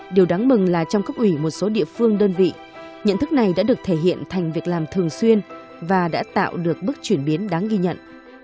điều đáng mừng là trong cấp ủy một số địa phương đơn vị nhận thức này đã được thể hiện thành việc làm thường xuyên và đã tạo được bước chuyển biến đáng ghi nhận